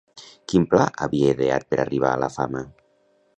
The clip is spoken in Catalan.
Quin pla havia ideat per arribar a la fama?